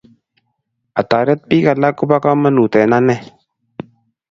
Atoret pik alak kopo kamanut eng' ane